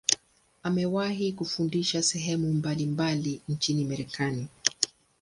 Amewahi kufundisha sehemu mbalimbali nchini Marekani.